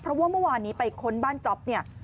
เพราะว่าเมื่อวานนี้ไปค้นบ้านจ๊อปเนี่ย